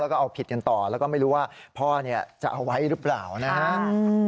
แล้วก็เอาผิดกันต่อแล้วก็ไม่รู้ว่าพ่อเนี่ยจะเอาไว้หรือเปล่านะครับ